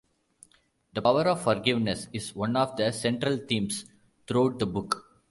The power of forgiveness is one of the central themes throughout the book.